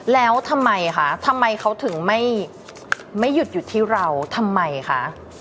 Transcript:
แล้วทำไมคะทำไมเขาถึงไม่หยุดอยู่ที่เราทำไมคะ